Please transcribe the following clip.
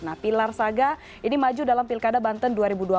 nah pilar saga ini maju dalam pilkada banten dua ribu dua puluh